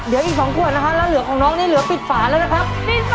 เดี๋ยวอีก๒ขวดนะคะแล้วเหลือของน้องนี่เหลือปิดฝาแล้วนะครับ